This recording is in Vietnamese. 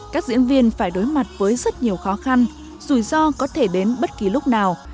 các diễn viên phải đối mặt với rất nhiều khó khăn rủi ro có thể đến bất kỳ lúc nào